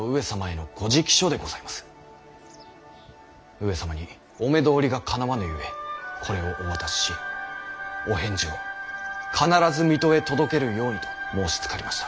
上様にお目通りがかなわぬゆえこれをお渡ししお返事を必ず水戸へ届けるようにと申しつかりました。